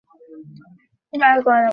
এখন নিজেরই প্রভুত্ব নিজেকে চালায়।